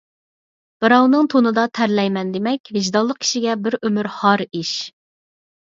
بىراۋنىڭ تونىدا تەرلەيمەن دېمەك، ۋىجدانلىق كىشىگە بىر ئۆمۈر ھار ئىش.